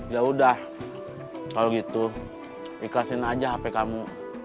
ya udah kalau gitu ikhlasin aja hp kamu